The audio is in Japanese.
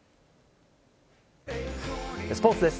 スポーツです。